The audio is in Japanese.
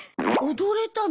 踊れたの？